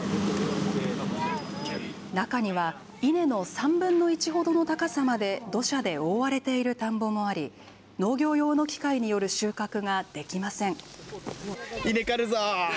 中には、稲の３分の１ほどの高さまで土砂で覆われている田んぼもあり、農業用の機械による収穫ができません。